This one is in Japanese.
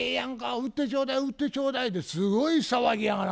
売ってちょうだい売ってちょうだい」ってすごい騒ぎやがな